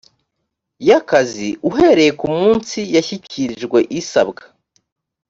y akazi uhereye ku munsi yashyikirijwe isabwa